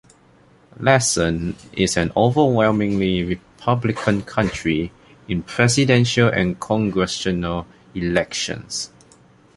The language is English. Lassen is an overwhelmingly Republican county in presidential and congressional elections.